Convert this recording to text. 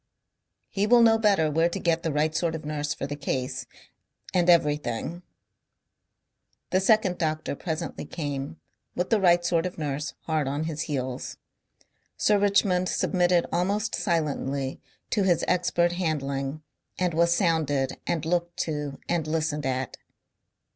"He will know better where to get the right sort of nurse for the case and everything." The second doctor presently came, with the right sort of nurse hard on his heels. Sir Richmond submitted almost silently to his expert handling and was sounded and looked to and listened at.